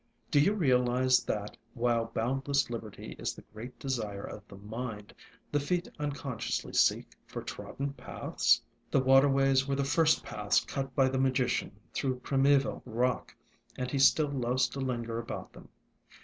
Do you realize that, while boundless liberty is the great desire of the mind, the feet unconsciously seek for trodden paths? The waterways were the first paths cut by the Magician through primeval rock, and he still loves to linger about them.